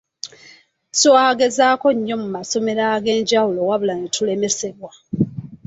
Twagezaako nnyo mu masomero ag’enjawulo wabula ne tulemesebwa.